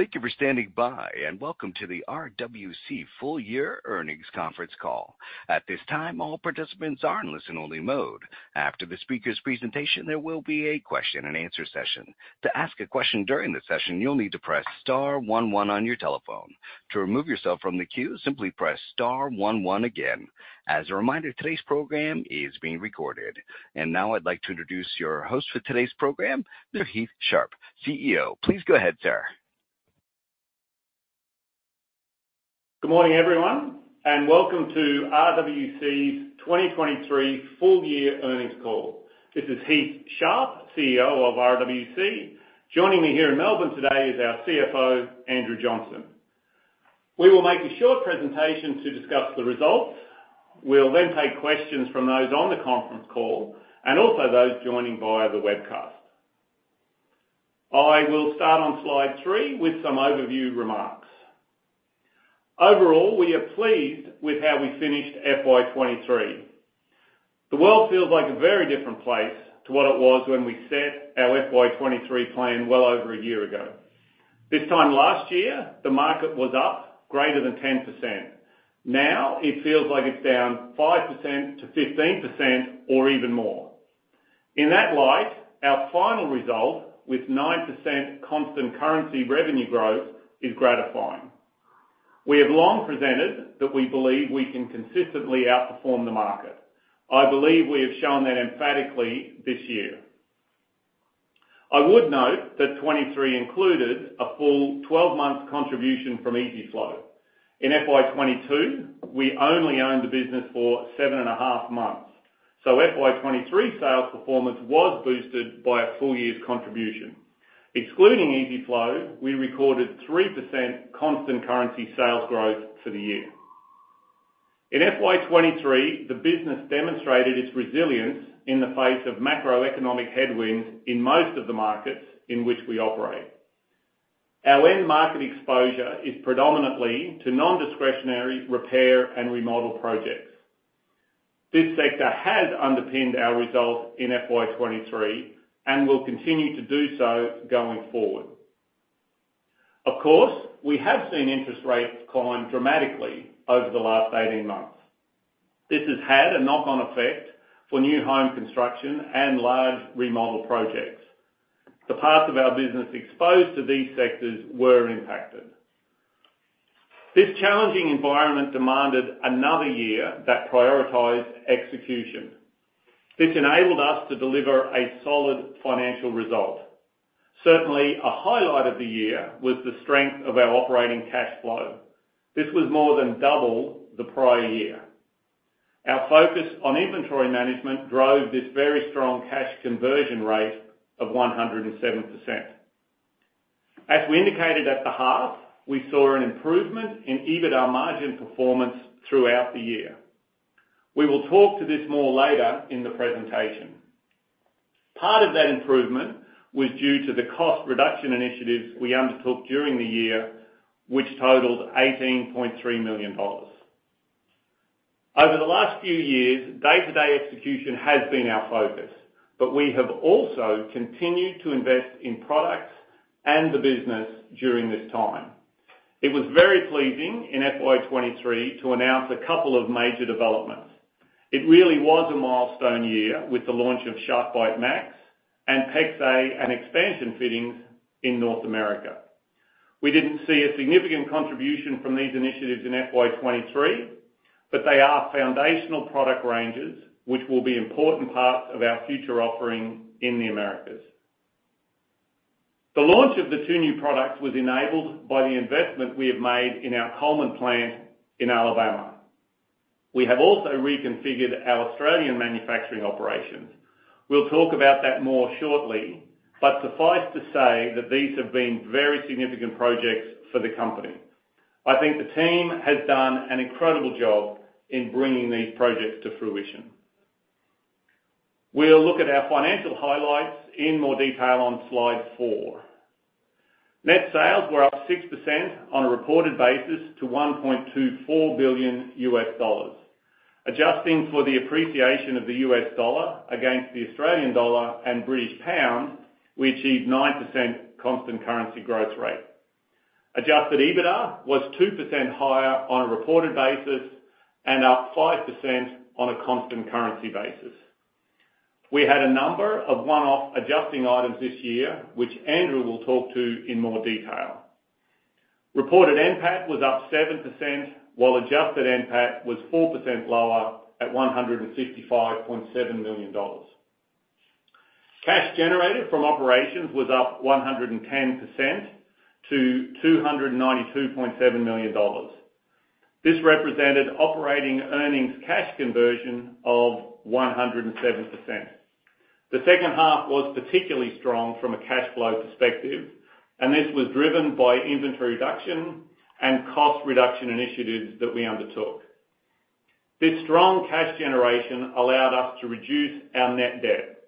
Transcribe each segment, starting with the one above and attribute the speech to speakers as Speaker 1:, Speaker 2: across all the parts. Speaker 1: Thank you for standing by, welcome to the RWC Full-Year Earnings Conference Call. At this time, all participants are in listen only mode. After the speaker's presentation, there will be a question and answer session. To ask a question during the session, you'll need to press star one one on your telephone. To remove yourself from the queue, simply press star one one again. As a reminder, today's program is being recorded. Now I'd like to introduce your host for today's program, Heath Sharp, CEO. Please go ahead, sir.
Speaker 2: Good morning, everyone, welcome to RWC's 2023 Full-Year Earnings Call. This is Heath Sharp, CEO of RWC. Joining me here in Melbourne today is our CFO, Andrew Johnson. We will make a short presentation to discuss the results. We'll take questions from those on the conference call and also those joining via the webcast. I will start on slide three with some overview remarks. Overall, we are pleased with how we finished FY 2023. The world feels like a very different place to what it was when we set our FY 2023 plan well over a year ago. This time last year, the market was up greater than 10%. It feels like it's down 5%-15% or even more. In that light, our final result, with 9% constant currency revenue growth, is gratifying. We have long presented that we believe we can consistently outperform the market. I believe we have shown that emphatically this year. I would note that 2023 included a full 12-month contribution from EZ-FLO. In FY 2022, we only owned the business for seven and a half months, so FY 2023 sales performance was boosted by a full year's contribution. Excluding EZ-FLO, we recorded 3% constant currency sales growth for the year. In FY 2023, the business demonstrated its resilience in the face of macroeconomic headwinds in most of the markets in which we operate. Our end market exposure is predominantly to non-discretionary repair and remodel projects. This sector has underpinned our results in FY 2023 and will continue to do so going forward. Of course, we have seen interest rates climb dramatically over the last 18 months. This has had a knock-on effect for new home construction and large remodel projects. The parts of our business exposed to these sectors were impacted. This challenging environment demanded another year that prioritized execution. This enabled us to deliver a solid financial result. Certainly, a highlight of the year was the strength of our operating cash flow. This was more than double the prior year. Our focus on inventory management drove this very strong cash conversion rate of 107%. As we indicated at the half, we saw an improvement in EBITDA margin performance throughout the year. We will talk to this more later in the presentation. Part of that improvement was due to the cost reduction initiatives we undertook during the year, which totaled $18.3 million. Over the last few years, day-to-day execution has been our focus, but we have also continued to invest in products and the business during this time. It was very pleasing in FY 2023 to announce a couple of major developments. It really was a milestone year with the launch of SharkBite Max and PEX-A and expansion fittings in North America. We didn't see a significant contribution from these initiatives in FY 2023, but they are foundational product ranges, which will be important parts of our future offering in the Americas. The launch of the two new products was enabled by the investment we have made in our Cullman plant in Alabama. We have also reconfigured our Australian manufacturing operations. We'll talk about that more shortly, but suffice to say that these have been very significant projects for the company. I think the team has done an incredible job in bringing these projects to fruition. We'll look at our financial highlights in more detail on Slide 4. Net sales were up 6% on a reported basis to $1.24 billion. Adjusting for the appreciation of the U.S. dollar against the Australian dollar and British pound, we achieved 9% constant currency growth rate. Adjusted EBITDA was 2% higher on a reported basis and up 5% on a constant currency basis. We had a number of one-off adjusting items this year, which Andrew will talk to in more detail. Reported NPAT was up 7%, while adjusted NPAT was 4% lower at $155.7 million. Cash generated from operations was up 110% to $292.7 million. This represented operating earnings cash conversion of 107%. The second half was particularly strong from a cash flow perspective. This was driven by inventory reduction and cost reduction initiatives that we undertook. This strong cash generation allowed us to reduce our net debt.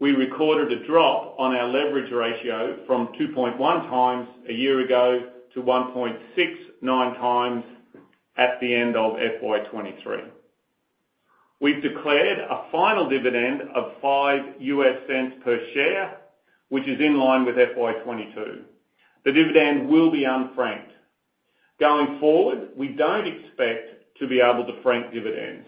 Speaker 2: We recorded a drop on our leverage ratio from 2.1x a year ago to 1.69x at the end of FY 2023. We've declared a final dividend of $0.05 per share, which is in line with FY 2022. The dividend will be unfranked. Going forward, we don't expect to be able to frank dividends.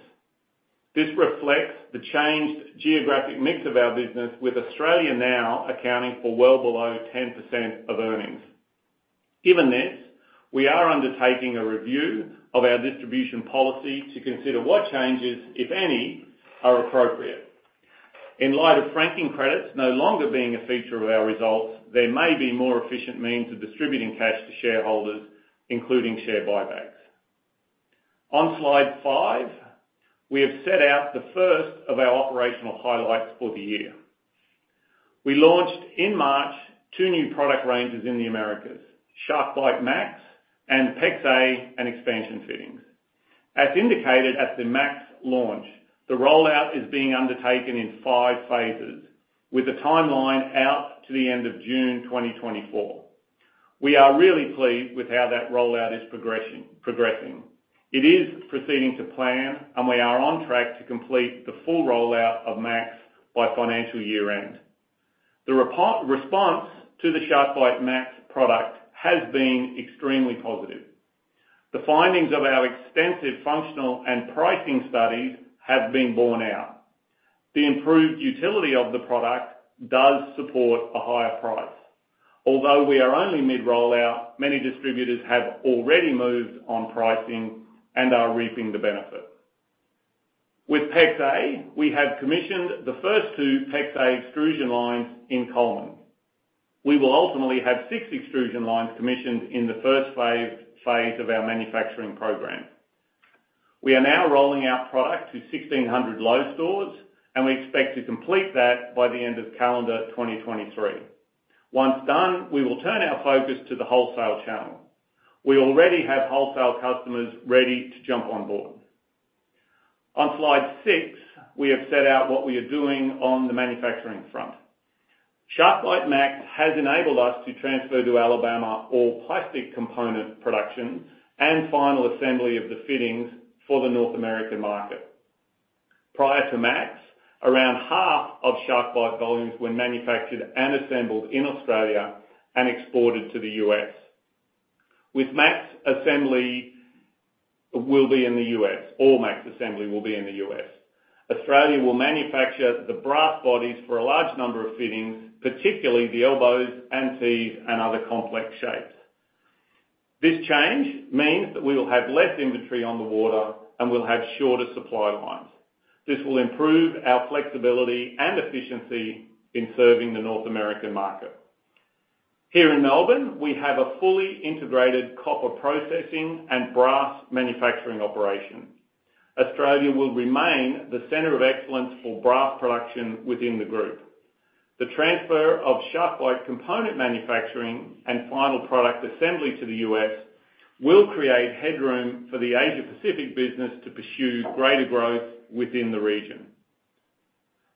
Speaker 2: This reflects the changed geographic mix of our business, with Australia now accounting for well below 10% of earnings. Given this, we are undertaking a review of our distribution policy to consider what changes, if any, are appropriate. In light of franking credits no longer being a feature of our results, there may be more efficient means of distributing cash to shareholders, including share buybacks. On Slide 5, we have set out the first of our operational highlights for the year. We launched, in March, two new product ranges in the Americas, SharkBite Max and PEX-A and expansion fittings. As indicated at the Max launch, the rollout is being undertaken in 5 phases, with a timeline out to the end of June 2024. We are really pleased with how that rollout is progressing. It is proceeding to plan, and we are on track to complete the full rollout of Max by financial year-end. The response to the SharkBite Max product has been extremely positive. The findings of our extensive functional and pricing studies have been borne out. The improved utility of the product does support a higher price. Although we are only mid-rollout, many distributors have already moved on pricing and are reaping the benefit. With PEX-A, we have commissioned the first two PEX-A extrusion lines in Cullman. We will ultimately have six extrusion lines commissioned in the first phase of our manufacturing program. We are now rolling out product to 1,600 Lowe's stores, we expect to complete that by the end of calendar 2023. Once done, we will turn our focus to the wholesale channel. We already have wholesale customers ready to jump on board. On Slide six, we have set out what we are doing on the manufacturing front. SharkBite MAX has enabled us to transfer to Alabama all plastic component production and final assembly of the fittings for the North American market. Prior to MAX, around half of SharkBite volumes were manufactured and assembled in Australia and exported to the U.S. With MAX, all MAX assembly will be in the U.S. Australia will manufacture the brass bodies for a large number of fittings, particularly the elbows, and tees, and other complex shapes. This change means that we will have less inventory on the water and we'll have shorter supply lines. This will improve our flexibility and efficiency in serving the North American market. Here in Melbourne, we have a fully integrated copper processing and brass manufacturing operation. Australia will remain the center of excellence for brass production within the group. The transfer of SharkBite component manufacturing and final product assembly to the U.S. will create headroom for the Asia Pacific business to pursue greater growth within the region.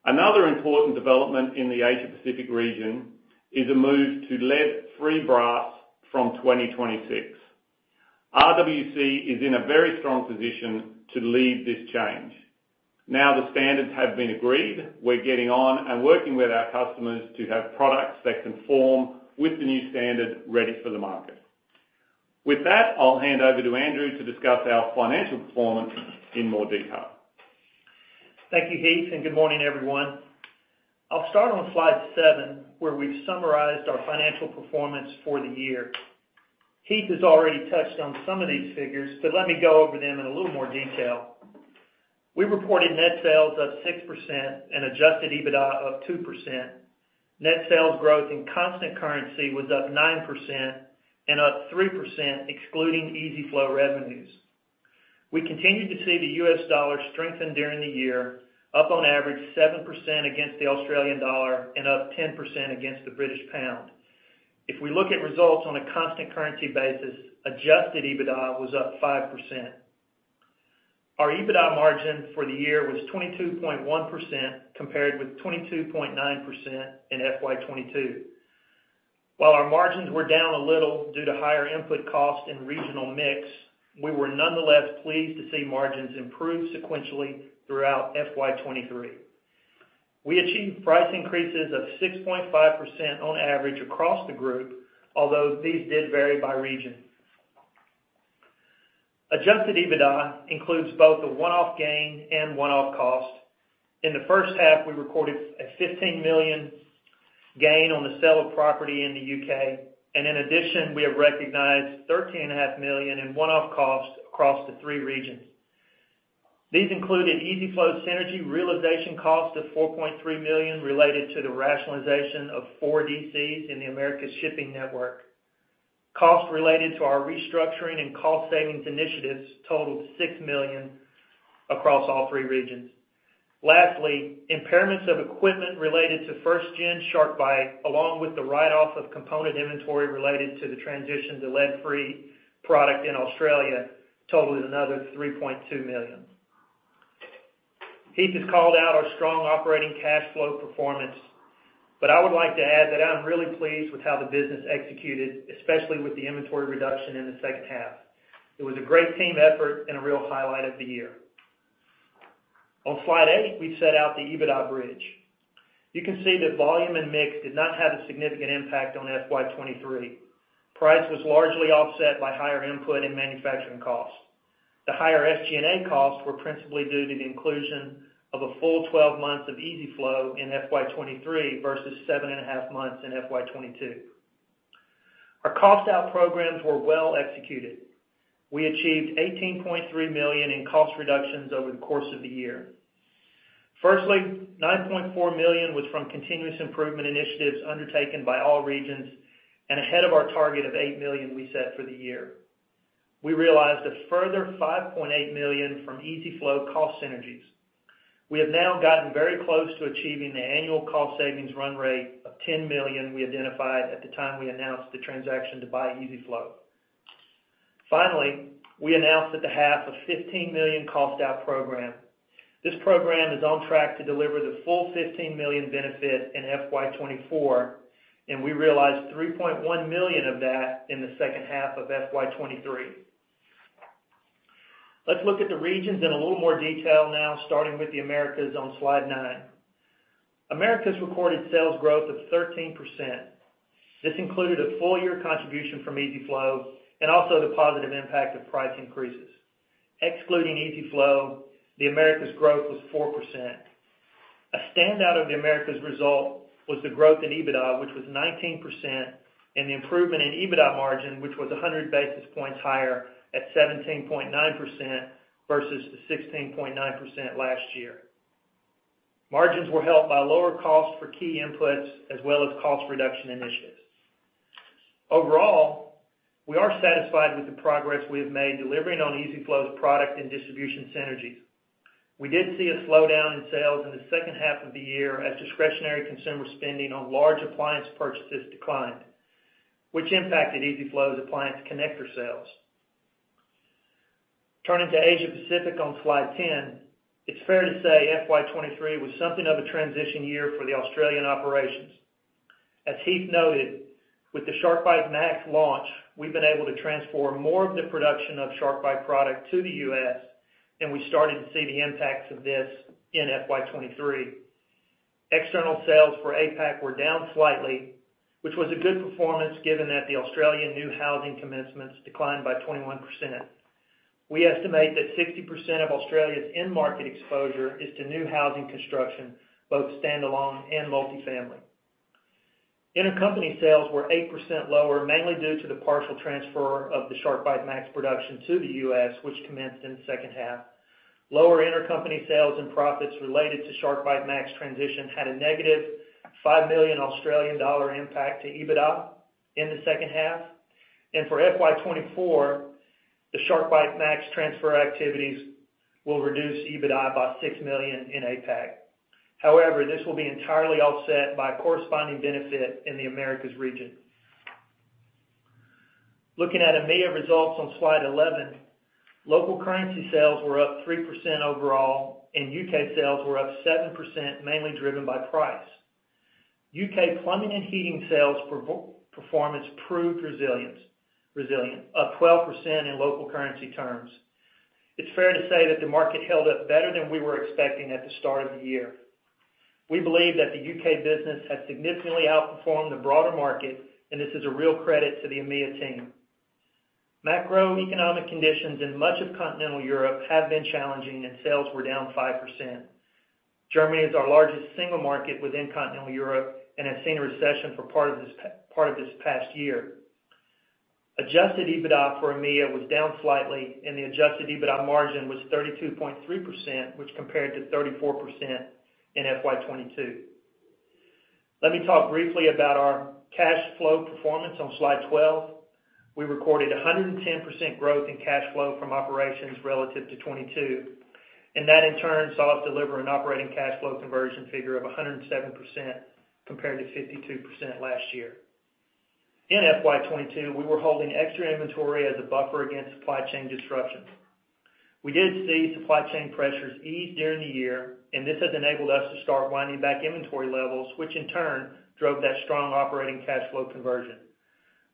Speaker 2: Another important development in the Asia Pacific region is a move to lead-free brass from 2026. RWC is in a very strong position to lead this change. The standards have been agreed, we're getting on and working with our customers to have products that conform with the new standard ready for the market. With that, I'll hand over to Andrew to discuss our financial performance in more detail.
Speaker 3: Thank you, Heath, and good morning, everyone. I'll start on Slide 7, where we've summarized our financial performance for the year. Heath has already touched on some of these figures, but let me go over them in a little more detail. We reported net sales up 6% and adjusted EBITDA up 2%. Net sales growth in constant currency was up 9% and up 3%, excluding EZ-FLO revenues. We continued to see the U.S. dollar strengthen during the year, up on average 7% against the Australian dollar and up 10% against the British pound. If we look at results on a constant currency basis, adjusted EBITDA was up 5%. Our EBITDA margin for the year was 22.1%, compared with 22.9% in FY 2022. While our margins were down a little due to higher input costs and regional mix, we were nonetheless pleased to see margins improve sequentially throughout FY 2023. We achieved price increases of 6.5% on average across the group, although these did vary by region. Adjusted EBITDA includes both a one-off gain and one-off cost. In the first half, we recorded a $15 million gain on the sale of property in the U.K.. In addition, we have recognized $13.5 million in one-off costs across the three regions. These included EZ-FLO synergy realization cost of $4.3 million related to the rationalization of four DCs in the Americas shipping network. Costs related to our restructuring and cost savings initiatives totaled $6 million across all three regions. Lastly, impairments of equipment related to first-generation SharkBite, along with the write-off of component inventory related to the transition to lead-free product in Australia, totaled another 3.2 million. Heath has called out our strong operating cash flow performance. I would like to add that I'm really pleased with how the business executed, especially with the inventory reduction in the second half. It was a great team effort and a real highlight of the year. On Slide 8, we set out the EBITDA bridge. You can see that volume and mix did not have a significant impact on FY 2023. Price was largely offset by higher input and manufacturing costs. The higher SG&A costs were principally due to the inclusion of a full 12 months of EZ-FLO International in FY 2023, versus 7.5 months in FY 2022. Our cost out programs were well executed. We achieved 18.3 million in cost reductions over the course of the year. Firstly, 9.4 million was from continuous improvement initiatives undertaken by all regions and ahead of our target of 8 million we set for the year. We realized a further 5.8 million from EZ-FLO International cost synergies. We have now gotten very close to achieving the annual cost savings run rate of 10 million we identified at the time we announced the transaction to buy EZ-FLO International. Finally, we announced at the half a 15 million cost out program. This program is on track to deliver the full 15 million benefit in FY 2024, and we realized 3.1 million of that in the second half of FY 2023. Let's look at the regions in a little more detail now, starting with the Americas on Slide nine. Americas recorded sales growth of 13%. This included a full year contribution from EZ-FLO International and also the positive impact of price increases. Excluding EZ-FLO International, the Americas growth was 4%. A standout of the Americas result was the growth in EBITDA, which was 19%, and the improvement in EBITDA margin, which was 100 basis points higher at 17.9% versus the 16.9% last year. Margins were helped by lower costs for key inputs as well as cost reduction initiatives. Overall, we are satisfied with the progress we have made delivering on EZ-FLO International's product and distribution synergies. We did see a slowdown in sales in the second half of the year as discretionary consumer spending on large appliance purchases declined, which impacted EZ-FLO International's appliance connector sales. Turning to Asia Pacific on Slide 10, it's fair to say FY 2023 was something of a transition year for the Australian operations. As Heath noted, with the SharkBite Max launch, we've been able to transform more of the production of SharkBite product to the U.S., we started to see the impacts of this in FY 2023. External sales for APAC were down slightly, which was a good performance given that the Australian new housing commencements declined by 21%. We estimate that 60% of Australia's end market exposure is to new housing construction, both standalone and multifamily. Intercompany sales were 8% lower, mainly due to the partial transfer of the SharkBite Max production to the U.S., which commenced in the second half. Lower intercompany sales and profits related to SharkBite Max transition had a negative 5 million Australian dollar impact to EBITDA in the second half. For FY 2024, the SharkBite Max transfer activities will reduce EBITDA by $6 million in APAC. However, this will be entirely offset by a corresponding benefit in the Americas region. Looking at EMEA results on Slide 11, local currency sales were up 3% overall, and U.K. sales were up 7%, mainly driven by price. U.K. Plumbing and Heating sales performance proved resilient, up 12% in local currency terms. It's fair to say that the market held up better than we were expecting at the start of the year. We believe that the U.K. business has significantly outperformed the broader market, and this is a real credit to the EMEA team. Macroeconomic conditions in much of continental Europe have been challenging, and sales were down 5%. Germany is our largest single market within continental Europe and has seen a recession for part of this, part of this past year. Adjusted EBITDA for EMEA was down slightly, and the adjusted EBITDA margin was 32.3%, which compared to 34% in FY 2022. Let me talk briefly about our cash flow performance on Slide 12. We recorded a 110% growth in cash flow from operations relative to 2022, and that in turn saw us deliver an operating cash flow conversion figure of 107%, compared to 52% last year. In FY 2022, we were holding extra inventory as a buffer against supply chain disruptions. We did see supply chain pressures ease during the year, and this has enabled us to start winding back inventory levels, which in turn drove that strong operating cash flow conversion.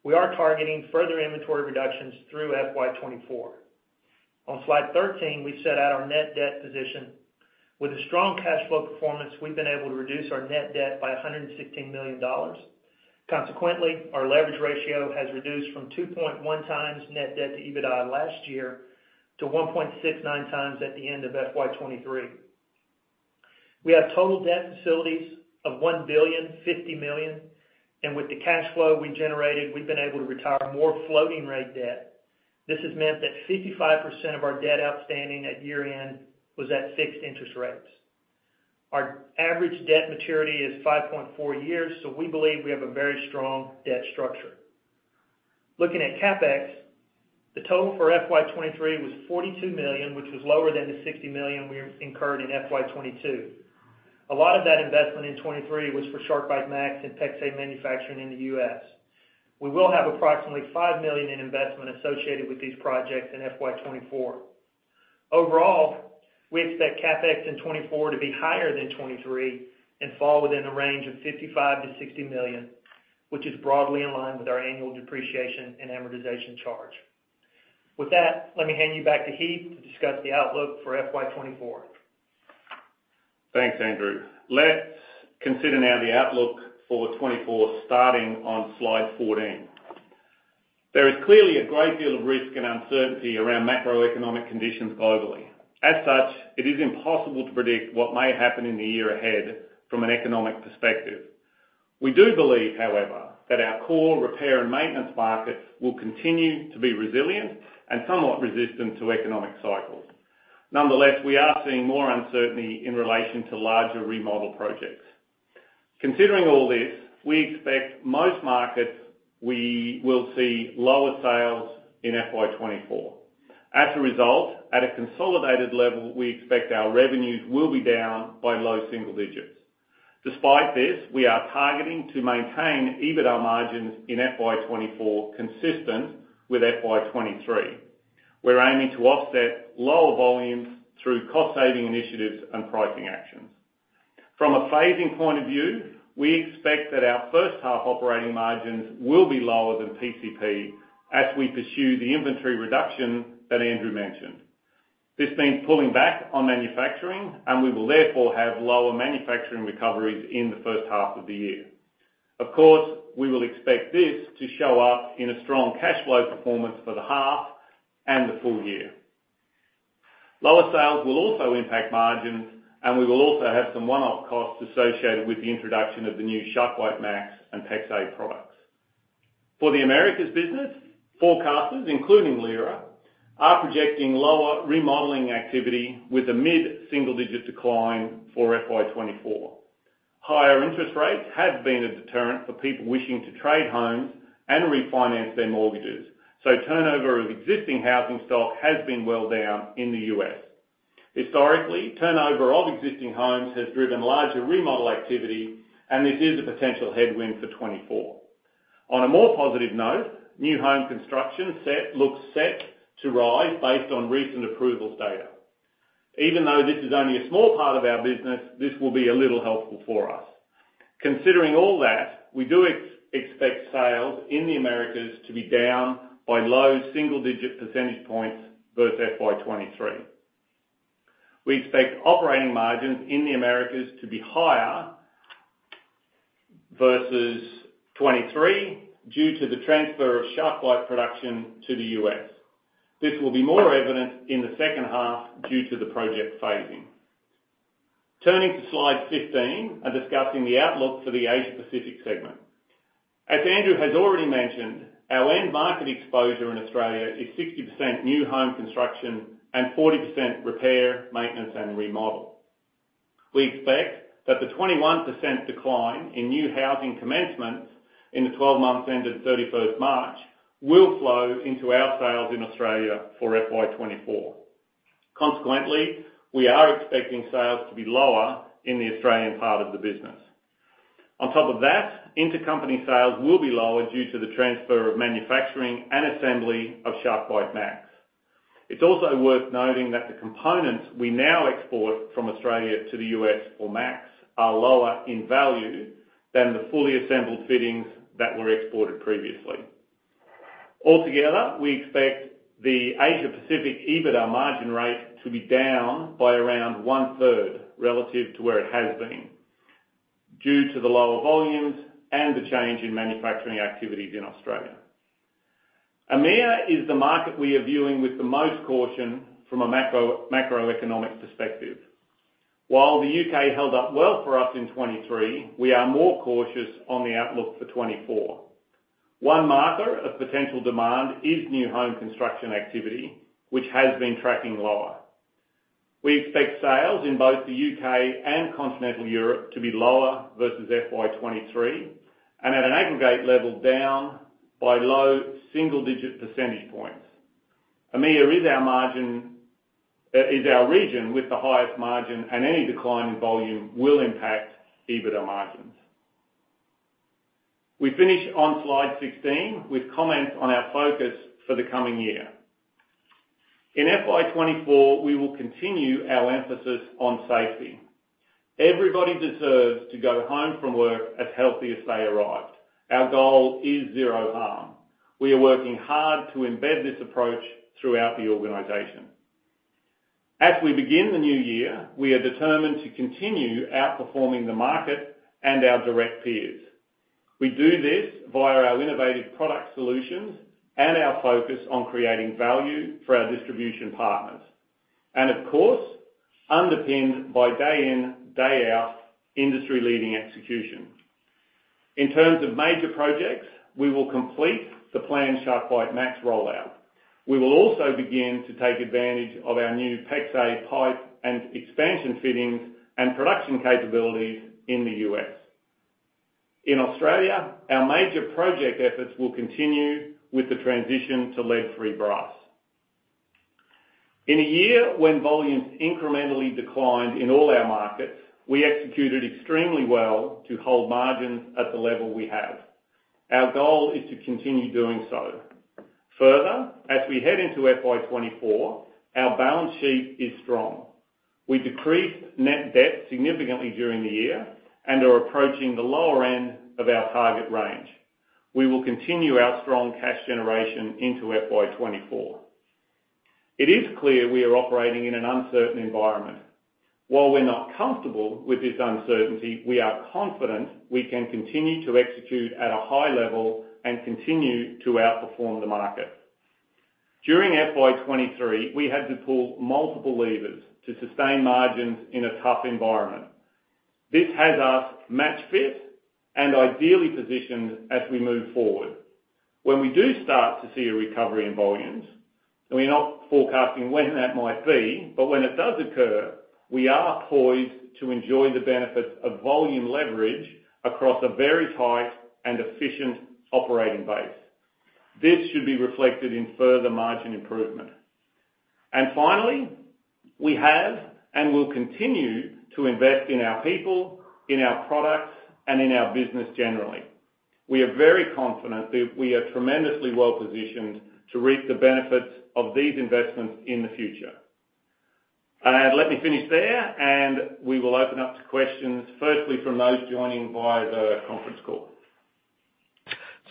Speaker 3: We are targeting further inventory reductions through FY 2024. On Slide 13, we set out our net debt position. With a strong cash flow performance, we've been able to reduce our net debt by $116 million. Consequently, our leverage ratio has reduced from 2.1x net debt to EBITDA last year to 1.69x at the end of FY 2023. We have total debt facilities of $1,050 million, and with the cash flow we generated, we've been able to retire more floating rate debt. This has meant that 55% of our debt outstanding at year-end was at fixed interest rates. Our average debt maturity is 5.4 years, so we believe we have a very strong debt structure. Looking at CapEx, the total for FY 2023 was 42 million, which was lower than the 60 million we incurred in FY 2022. A lot of that investment in 2023 was for SharkBite Max and PEX-A manufacturing in the U.S. We will have approximately 5 million in investment associated with these projects in FY 2024. Overall, we expect CapEx in 2024 to be higher than 2023, and fall within the range of 55 million-60 million, which is broadly in line with our annual depreciation and amortization charge. With that, let me hand you back to Heath to discuss the outlook for FY 2024.
Speaker 2: Thanks, Andrew. Let's consider now the outlook for 2024, starting on Slide 14. There is clearly a great deal of risk and uncertainty around macroeconomic conditions globally. As such, it is impossible to predict what may happen in the year ahead from an economic perspective. We do believe, however, that our core repair and maintenance markets will continue to be resilient and somewhat resistant to economic cycles. Nonetheless, we are seeing more uncertainty in relation to larger remodel projects. Considering all this, we expect most markets, we will see lower sales in FY 2024. As a result, at a consolidated level, we expect our revenues will be down by low single digits. Despite this, we are targeting to maintain EBITDA margins in FY 2024, consistent with FY 2023. We're aiming to offset lower volumes through cost-saving initiatives and pricing actions. From a phasing point of view, we expect that our first half operating margins will be lower than PCP as we pursue the inventory reduction that Andrew mentioned. This means pulling back on manufacturing. We will therefore have lower manufacturing recoveries in the first half of the year. Of course, we will expect this to show up in a strong cash flow performance for the half and the full year. Lower sales will also impact margins. We will also have some one-off costs associated with the introduction of the new SharkBite MAX and PEX-A products. For the Americas business, forecasters, including LIRA, are projecting lower remodeling activity with a mid-single-digit decline for FY 2024. Higher interest rates have been a deterrent for people wishing to trade homes and refinance their mortgages. Turnover of existing housing stock has been well down in the U.S. Historically, turnover of existing homes has driven larger remodel activity, this is a potential headwind for 2024. On a more positive note, new home construction looks set to rise based on recent approvals data. Even though this is only a small part of our business, this will be a little helpful for us. Considering all that, we do expect sales in the Americas to be down by low single-digit percentage points versus FY 2023. We expect operating margins in the Americas to be higher versus 2023 due to the transfer of SharkBite production to the U.S. This will be more evident in the second half due to the project phasing. Turning to Slide 15 and discussing the outlook for the Asia Pacific segment. As Andrew has already mentioned, our end market exposure in Australia is 60% new home construction and 40% repair, maintenance, and remodel. We expect that the 21% decline in new housing commencements in the 12 months ended 31st March, will flow into our sales in Australia for FY 2024. Consequently, we are expecting sales to be lower in the Australian part of the business. On top of that, intercompany sales will be lower due to the transfer of manufacturing and assembly of SharkBite MAX. It's also worth noting that the components we now export from Australia to the U.S. for MAX are lower in value than the fully assembled fittings that were exported previously. Altogether, we expect the Asia Pacific EBITDA margin rate to be down by around one-third relative to where it has been, due to the lower volumes and the change in manufacturing activities in Australia. EMEA is the market we are viewing with the most caution from a macroeconomic perspective. While the U.K. held up well for us in 2023, we are more cautious on the outlook for 2024. One marker of potential demand is new home construction activity, which has been tracking lower. We expect sales in both the U.K. and Continental Europe to be lower versus FY 2023, and at an aggregate level, down by low single-digit percentage points. EMEA is our margin-- is our region with the highest margin, and any decline in volume will impact EBITDA margins. We finish on Slide 16 with comments on our focus for the coming year. In FY 2024, we will continue our emphasis on safety. Everybody deserves to go home from work as healthy as they arrived. Our goal is zero harm. We are working hard to embed this approach throughout the organization. As we begin the new year, we are determined to continue outperforming the market and our direct peers. We do this via our innovative product solutions and our focus on creating value for our distribution partners, of course, underpinned by day in, day out, industry-leading execution. In terms of major projects, we will complete the planned SharkBite Max rollout. We will also begin to take advantage of our new PEX-A pipe and expansion fittings and production capabilities in the U.S.. In Australia, our major project efforts will continue with the transition to lead-free brass. In a year when volumes incrementally declined in all our markets, we executed extremely well to hold margins at the level we have. Our goal is to continue doing so. Further, as we head into FY 2024, our balance sheet is strong. We decreased net debt significantly during the year and are approaching the lower end of our target range. We will continue our strong cash generation into FY 2024. It is clear we are operating in an uncertain environment. While we're not comfortable with this uncertainty, we are confident we can continue to execute at a high level and continue to outperform the market. During FY 2023, we had to pull multiple levers to sustain margins in a tough environment. This has us match fit and ideally positioned as we move forward. When we do start to see a recovery in volumes, and we're not forecasting when that might be, but when it does occur, we are poised to enjoy the benefits of volume leverage across a very tight and efficient operating base. This should be reflected in further margin improvement. Finally, we have and will continue to invest in our people, in our products, and in our business generally. We are very confident that we are tremendously well positioned to reap the benefits of these investments in the future. Let me finish there, and we will open up to questions, firstly, from those joining via the conference call.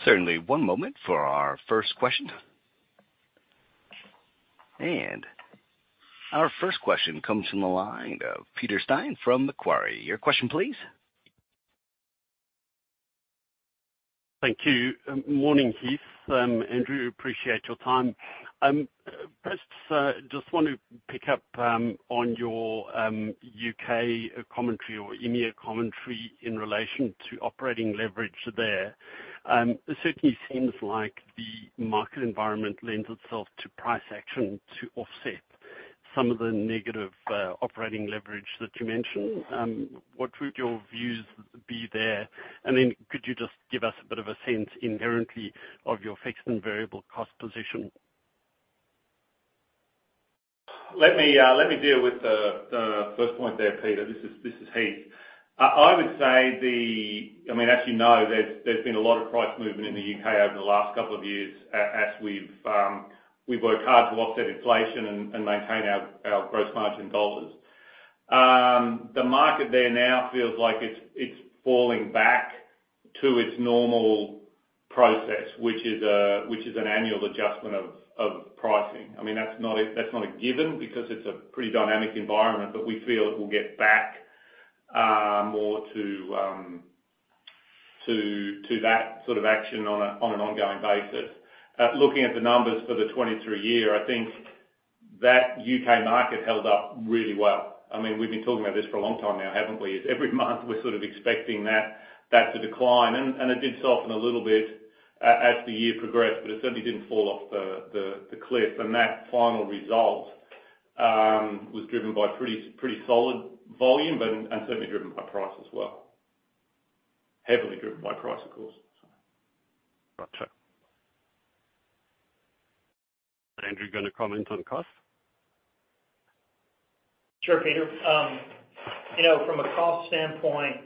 Speaker 1: Certainly. One moment for our first question. Our first question comes from the line of Peter Steyn from Macquarie. Your question, please.
Speaker 4: Thank you. Morning, Heath, Andrew, appreciate your time. First, just want to pick up on your U.K. commentary or EMEA commentary in relation to operating leverage there. It certainly seems like the market environment lends itself to price action to offset some of the negative operating leverage that you mentioned. What would your views be there? Then could you just give us a bit of a sense, inherently, of your fixed and variable cost position?
Speaker 2: Let me let me deal with the first point there, Peter. This is this is Heath. I would say the-- I mean, as you know, there's there's been a lot of price movement in the U.K. over the last 2 years, as we've we've worked hard to offset inflation and maintain our gross margin goals. The market there now feels like it's it's falling back to its normal process, which is which is an annual adjustment of pricing. I mean, that's not a that's not a given because it's a pretty dynamic environment, but we feel it will get back more to to that sort of action on a on an ongoing basis. Looking at the numbers for the 2023 year, I think that U.K. market held up really well. I mean, we've been talking about this for a long time now, haven't we? It's every month, we're sort of expecting that, that to decline, and, and it did soften a little bit as the year progressed, but it certainly didn't fall off the, the, the cliff. That final result was driven by pretty, pretty solid volume, and certainly driven by price as well. Heavily driven by price, of course.
Speaker 4: Gotcha. Andrew, you gonna comment on cost?
Speaker 3: Sure, Peter. You know, from a cost standpoint,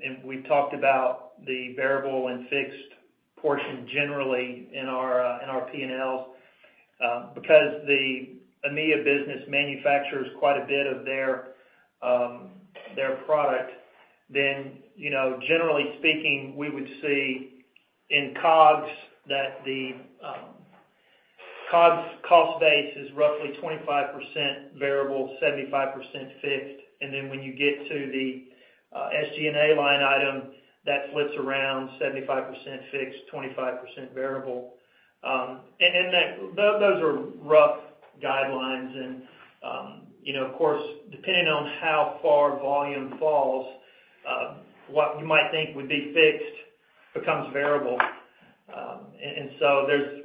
Speaker 3: and we've talked about the variable and fixed portion generally in our, in our P&Ls, because the EMEA business manufactures quite a bit of their product, then, you know, generally speaking, we would see in COGS that the COGS cost base is roughly 25% variable, 75% fixed. When you get to the SG&A line item, that splits around 75% fixed, 25% variable. That, those are rough guidelines. You know, of course, depending on how far volume falls, what you might think would be fixed becomes variable. So there's,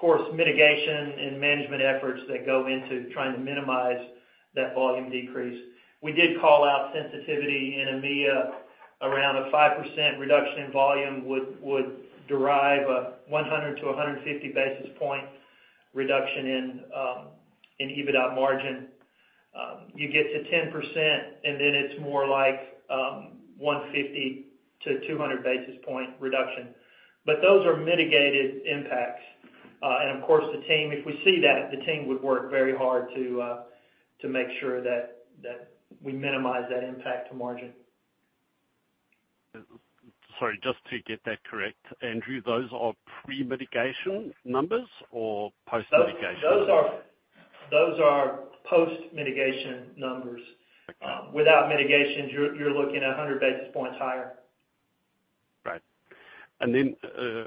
Speaker 3: of course, mitigation and management efforts that go into trying to minimize that volume decrease. We did call out sensitivity in EMEA around a 5% reduction in volume would derive a 100-150 basis point reduction in EBITDA margin. You get to 10%, and then it's more like, 150-200 basis point reduction. Those are mitigated impacts. Of course, the team, if we see that, the team would work very hard to make sure that we minimize that impact to margin.
Speaker 4: Sorry, just to get that correct, Andrew, those are pre-mitigation numbers or post-mitigation?
Speaker 3: Those are, those are post-mitigation numbers.
Speaker 4: Okay.
Speaker 3: Without mitigation, you're, you're looking at 100 basis points higher.
Speaker 4: Right.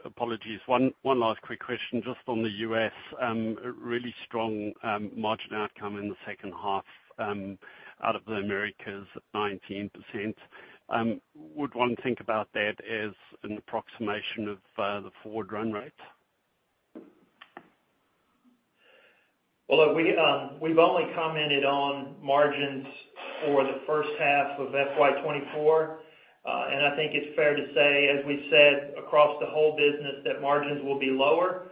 Speaker 4: Apologies, one, one last quick question, just on the U.S.. A really strong margin outcome in the second half out of the Americas, 19%. Would one think about that as an approximation of the forward run rate?
Speaker 3: Well, look, we've only commented on margins for the first half of FY 2024. I think it's fair to say, as we've said across the whole business, that margins will be lower.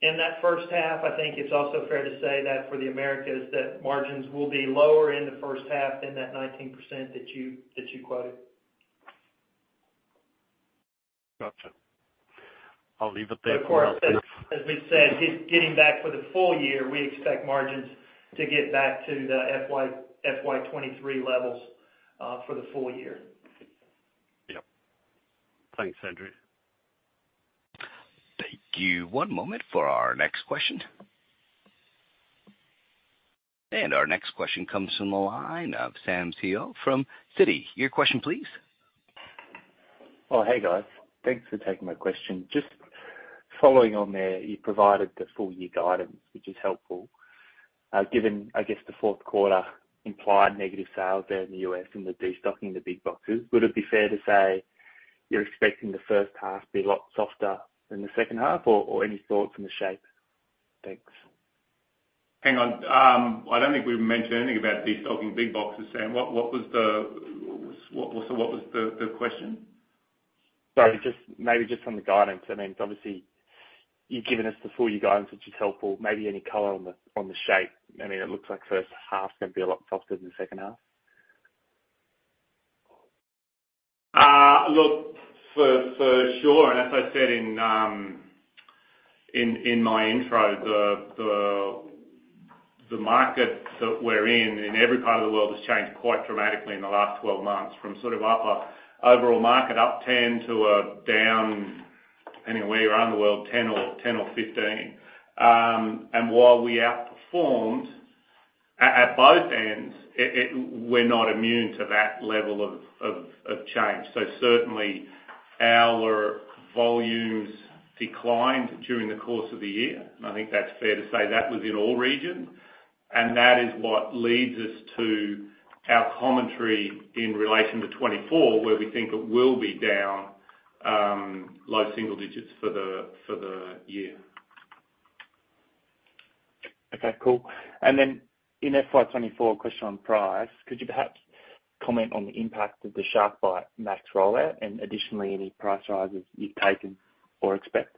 Speaker 3: In that first half, I think it's also fair to say that for the Americas, that margins will be lower in the first half than that 19% that you, that you quoted.
Speaker 4: Gotcha. I'll leave it there for now.
Speaker 3: Of course, as, as we said, it's getting back for the full year. We expect margins to get back to the FY, FY 2023 levels for the full year.
Speaker 5: Yep. Thanks, Andrew.
Speaker 1: Thank you. One moment for our next question. Our next question comes from the line of Sam Seow from Citi. Your question, please?
Speaker 6: Well, hey, guys. Thanks for taking my question. Just following on there, you provided the full year guidance, which is helpful. Given, I guess, the fourth quarter implied negative sales there in the U.S. and the destocking the big boxes, would it be fair to say you're expecting the first half to be a lot softer than the second half, or, or any thoughts on the shape? Thanks.
Speaker 2: Hang on. I don't think we've mentioned anything about destocking big boxes, Sam. What was the question?
Speaker 6: Sorry, just maybe just on the guidance. I mean, obviously, you've given us the full year guidance, which is helpful. Maybe any color on the, on the shape? I mean, it looks like first half is gonna be a lot softer than the second half.
Speaker 2: Look, for, for sure, and as I said in, in my intro, the, the, the markets that we're in, in every part of the world, has changed quite dramatically in the last 12 months, from sort of up a overall market, up 10 to a down anywhere around the world, 10 or 10 or 15. While we outperformed at, at both ends, we're not immune to that level of change. Certainly our volumes declined during the course of the year. I think that's fair to say that was in all regions, and that is what leads us to our commentary in relation to 2024, where we think it will be down, low single digits for the year.
Speaker 6: Okay, cool. Then in FY 2024, a question on price. Could you perhaps comment on the impact of the SharkBite Max rollout and additionally, any price rises you've taken or expect?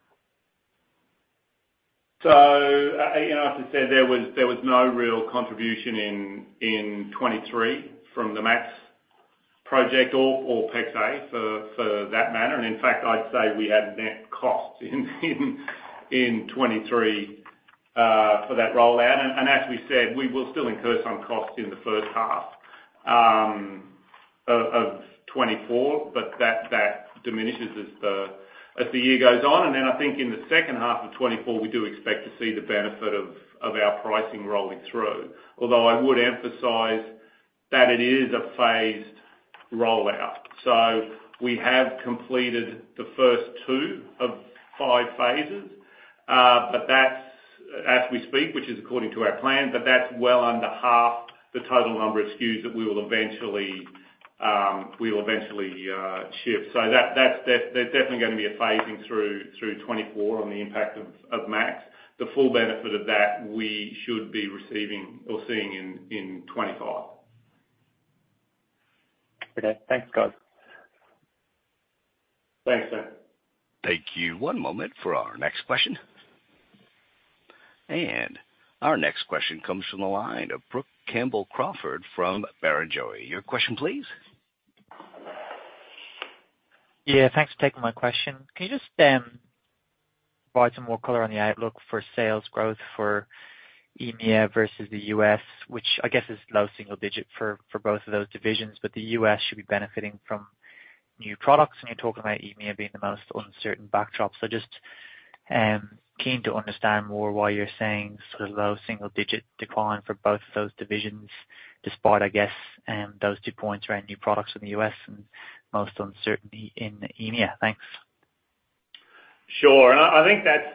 Speaker 2: You know, as I said, there was no real contribution in 2023 from the MAX project or PEX-A, for that matter. In fact, I'd say we had net costs in 2023 for that rollout. As we said, we will still incur some costs in the first half of 2024, but that diminishes as the year goes on. I think in the second half of 2024, we do expect to see the benefit of our pricing rolling through. Although I would emphasize that it is a phased rollout. We have completed the first two of five phases, but that's as we speak, which is according to our plan, but that's well under half the total number of SKUs that we will eventually, we will eventually ship. That's, there's definitely going to be a phasing through, through 2024 on the impact of, of Max. The full benefit of that we should be receiving or seeing in, in 2025.
Speaker 6: Okay. Thanks, guys.
Speaker 2: Thanks, Sam.
Speaker 1: Thank you. One moment for our next question. Our next question comes from the line of Brook Campbell-Crawford from Barrenjoey. Your question, please?
Speaker 5: Yeah, thanks for taking my question. Can you just provide some more color on the outlook for sales growth for EMEA versus the U.S., which I guess is low single digit for both of those divisions, but the U.S. should be benefiting from new products, and you're talking about EMEA being the most uncertain backdrop. Just keen to understand more why you're saying sort of low single digit decline for both of those divisions, despite, I guess, those two points around new products in the U.S. and most uncertainty in EMEA. Thanks.
Speaker 2: Sure, I, I think that's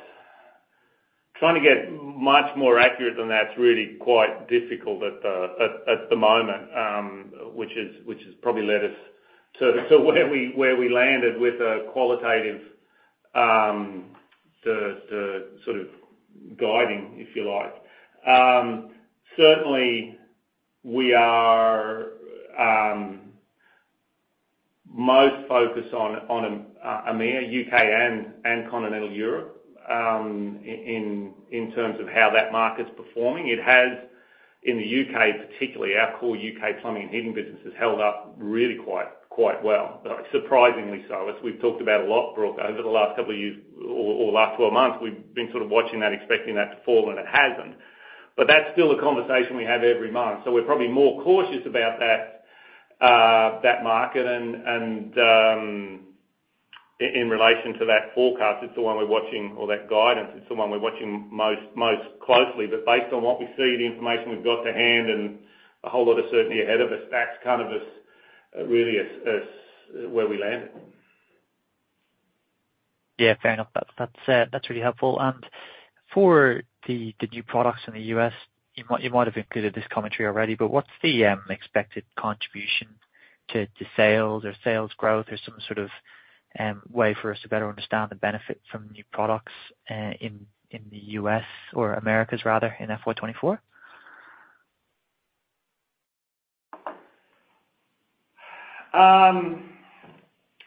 Speaker 2: trying to get much more accurate than that, is really quite difficult at the, at, at the moment, which has, which has probably led us to, to where we, where we landed with a qualitative, the, the sort of guiding, if you like. Certainly, we are most focused on EMEA, U.K. and Continental Europe, in, in, in terms of how that market's performing. It has in the U.K., particularly our core U.K. Plumbing and Heating business, has held up really quite, quite well. Surprisingly so. As we've talked about a lot, Brook, over the last couple of years or last 12 months, we've been sort of watching that, expecting that to fall, and it hasn't. That's still a conversation we have every month. We're probably more cautious about that, that market and, and, in relation to that forecast, it's the one we're watching or that guidance, it's the one we're watching most, most closely. Based on what we see, the information we've got to hand and a whole lot of certainty ahead of us, that's kind of as, really as, as where we landed.
Speaker 5: Yeah, fair enough. That's, that's, that's really helpful. For the, the new products in the U.S., you might, you might have included this commentary already, but what's the expected contribution to, to sales or sales growth or some sort of way for us to better understand the benefit from new products, in, in the U.S., or Americas rather, in FY 2024?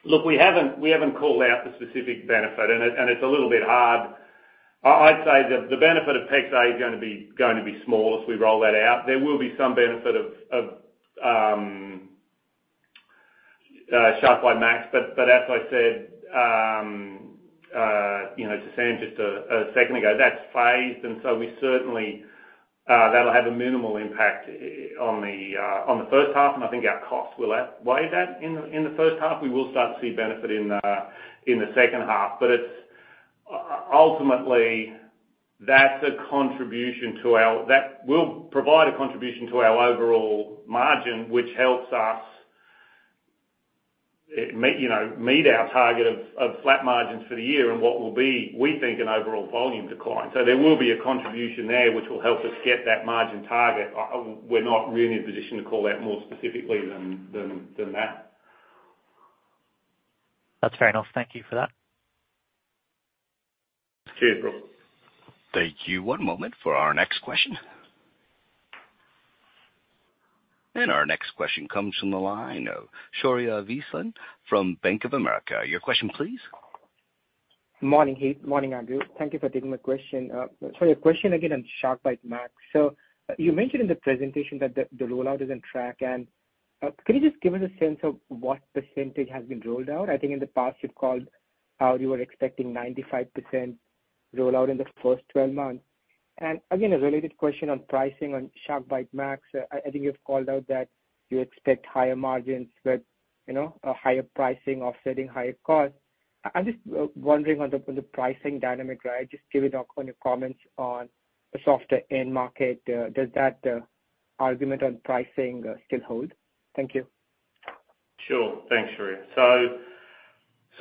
Speaker 2: Look, we haven't, we haven't called out the specific benefit, and it, and it's a little bit hard. I'd say that the benefit of PEX-A is gonna be, going to be small as we roll that out. There will be some benefit of, of, SharkBite Max. As I said, you know, to Sam just a second ago, that's phased, and so we certainly, that'll have a minimal impact on the first half, and I think our costs will outweigh that in the first half. We will start to see benefit in the second half. It's ultimately, that's a contribution to our that will provide a contribution to our overall margin, which helps us, you know, meet our target of, of flat margins for the year and what will be, we think, an overall volume decline. There will be a contribution there, which will help us get that margin target. We're not really in a position to call out more specifically than that.
Speaker 5: That's fair enough. Thank you for that.
Speaker 2: Okay, Brook.
Speaker 1: Thank you. One moment for our next question. Our next question comes from the line of Shaurya Visen from Bank of America. Your question, please.
Speaker 7: Morning, Heath. Morning, Andrew. Thank you for taking my question. A question again on SharkBite Max. You mentioned in the presentation that the rollout is on track, and can you just give us a sense of what percentage has been rolled out? I think in the past, you've called how you were expecting 95% rollout in the first 12 months. Again, a related question on pricing on SharkBite Max. I think you've called out that you expect higher margins, but, you know, a higher pricing offsetting higher costs. I'm just wondering on the pricing dynamic, right? Just give it your comments on the softer end market. Does that argument on pricing still hold? Thank you.
Speaker 2: Thanks, Shaurya.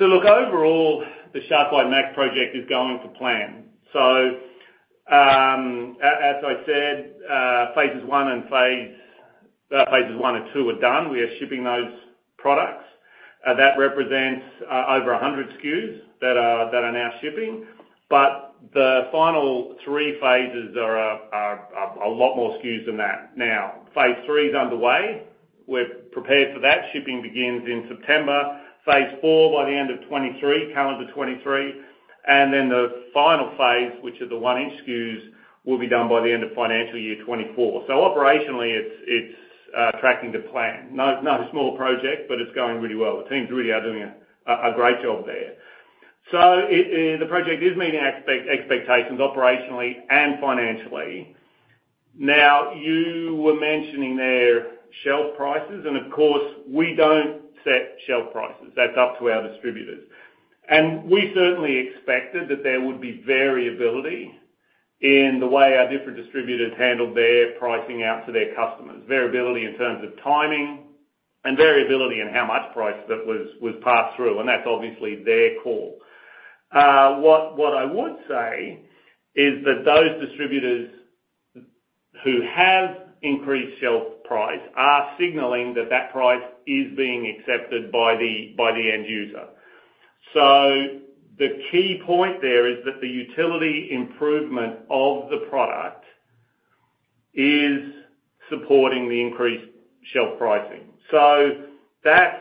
Speaker 2: Overall, the SharkBite Max project is going to plan. As I said, phases I and II are done. We are shipping those products. That represents over 100 SKUs that are now shipping. The final 3 phases are a lot more SKUs than that. Phase III is underway. We're prepared for that. Shipping begins in September, phase IV by the end of 2023, calendar 2023, and the final phase, which is the 1-inch SKUs, will be done by the end of FY 2024. Operationally, it's tracking to plan. Not a small project, but it's going really well. The teams really are doing a great job there. It, the project is meeting expectations operationally and financially. You were mentioning their shelf prices, of course, we don't set shelf prices. That's up to our distributors. We certainly expected that there would be variability in the way our different distributors handled their pricing out to their customers. Variability in terms of timing and variability in how much price that was, was passed through, and that's obviously their call. What I would say is that those distributors who have increased shelf price are signaling that that price is being accepted by the end user. The key point there is that the utility improvement of the product is supporting the increased shelf pricing. That's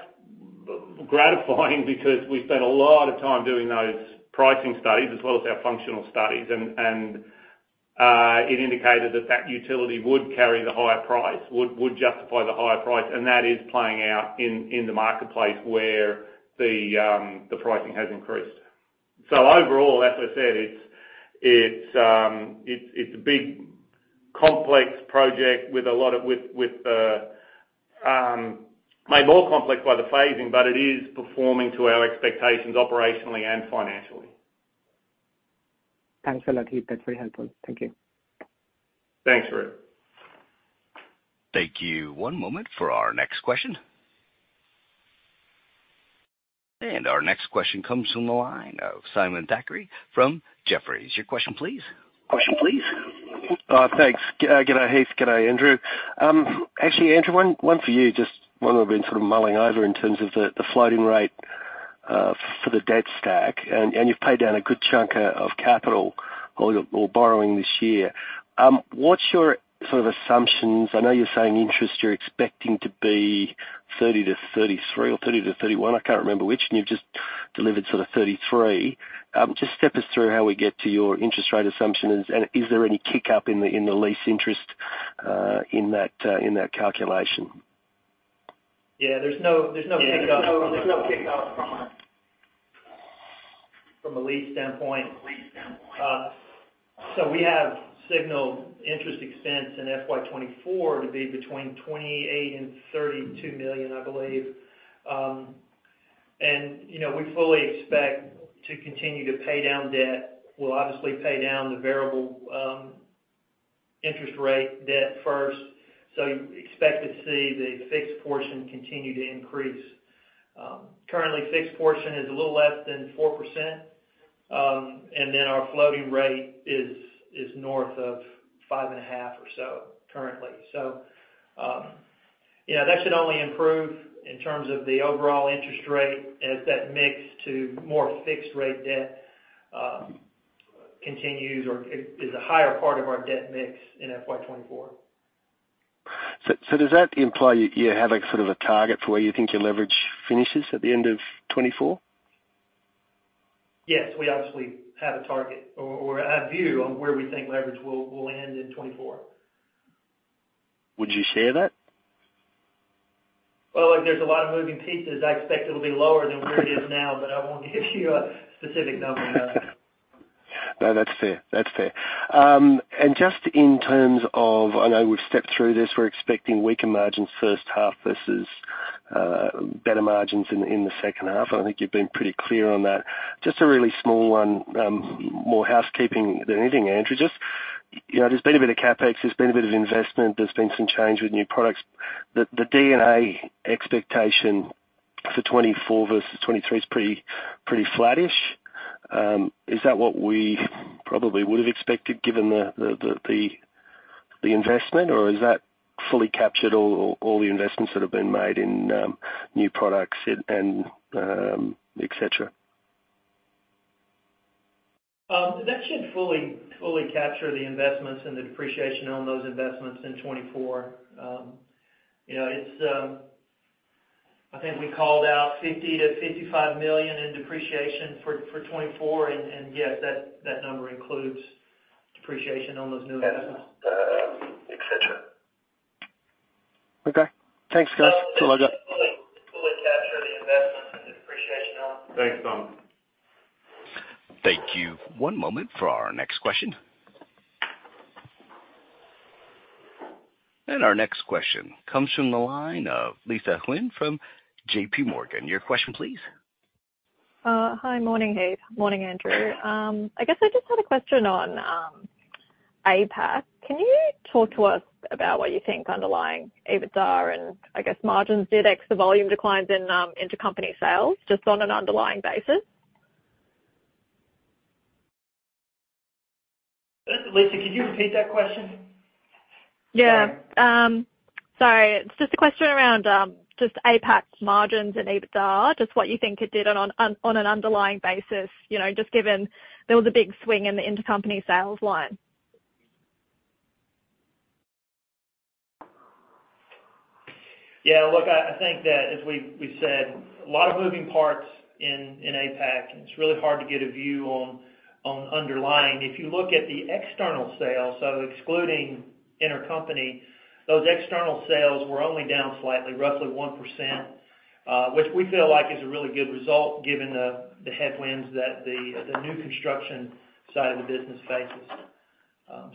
Speaker 2: gratifying because we spent a lot of time doing those pricing studies as well as our functional studies, and, and it indicated that that utility would carry the higher price, would, would justify the higher price, and that is playing out in, in the marketplace where the pricing has increased. Overall, as I said, it's, it's, it's, it's a big, complex project with a lot of, with, with made more complex by the phasing, but it is performing to our expectations operationally and financially.
Speaker 7: Thanks a lot, Heath. That's very helpful. Thank you.
Speaker 2: Thanks, Shaurya.
Speaker 1: Thank you. One moment for our next question. Our next question comes from the line of Simon Thackray from Jefferies. Your question, please. Question, please.
Speaker 8: Thanks. Good day, Heath. Good day, Andrew. Actually, Andrew, one for you, just one I've been sort of mulling over in terms of the floating rate for the debt stack, and you've paid down a good chunk of capital or borrowing this year. What's your sort of assumptions? I know you're saying interest, you're expecting to be 30 million-33 million or 30 million-31 million, I can't remember which, and you've just delivered sort of 33 million. Just step us through how we get to your interest rate assumptions, and is there any kick-up in the lease interest in that calculation?
Speaker 3: Yeah, there's no, there's no kick-up from a, from a lease standpoint. We have signaled interest expense in FY 2024 to be between 28 million and 32 million, I believe. You know, we fully expect to continue to pay down debt. We'll obviously pay down the variable interest rate debt first, expect to see the fixed portion continue to increase. Currently, fixed portion is a little less than 4%, our floating rate is north of 5.5% or so currently. Yeah, that should only improve in terms of the overall interest rate as that mix to more fixed rate debt continues or is a higher part of our debt mix in FY 2024....
Speaker 8: so does that imply you, you have like sort of a target for where you think your leverage finishes at the end of 2024?
Speaker 3: Yes, we obviously have a target or, or a view on where we think leverage will, will end in 2024.
Speaker 8: Would you share that?
Speaker 3: Well, look, there's a lot of moving pieces. I expect it'll be lower than where it is now, but I won't give you a specific number.
Speaker 8: No, that's fair. That's fair. Just in terms of, I know we've stepped through this, we're expecting weaker margins first half versus better margins in, in the second half, and I think you've been pretty clear on that. Just a really small one, more housekeeping than anything, Andrew. Just, you know, there's been a bit of CapEx, there's been a bit of investment, there's been some change with new products. The, the D&A expectation for 2024 versus 2023 is pretty, pretty flattish. Is that what we probably would have expected given the, the, the, the investment, or is that fully captured all, all the investments that have been made in new products and et cetera?
Speaker 3: That should fully, fully capture the investments and the depreciation on those investments in FY 2024. I think we called out $50 million-$55 million in depreciation for FY 2024, and yes, that number includes depreciation on those new investments, et cetera.
Speaker 8: Okay. Thanks, guys.
Speaker 3: Fully capture the investments and the depreciation on.
Speaker 8: Thanks, Simon.
Speaker 1: Thank you. One moment for our next question. Our next question comes from the line of Lisa Huynh from JPMorgan. Your question, please.
Speaker 9: Hi, morning, Heath Morning, Andrew. I guess I just had a question on APAC. Can you talk to us about what you think underlying EBITDA and I guess margins did X, the volume declines in intercompany sales, just on an underlying basis?
Speaker 3: Lisa, could you repeat that question?
Speaker 9: Yeah. It's just a question around, just APAC's margins and EBITDA, just what you think it did on an underlying basis, you know, just given there was a big swing in the intercompany sales line?
Speaker 3: Yeah, look, I, I think that as we, we said, a lot of moving parts in, in APAC, and it's really hard to get a view on, on underlying. If you look at the external sales, so excluding intercompany, those external sales were only down slightly, roughly 1%, which we feel like is a really good result given the, the headwinds that the, the new construction side of the business faces.